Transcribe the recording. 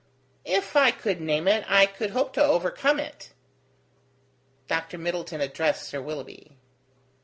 "If I could name it, I could hope to overcome it." Dr. Middleton addressed Sir Willoughby.